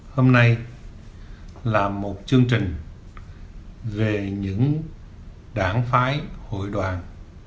hôm nay là một chương trình về những đảng phái hội đoàn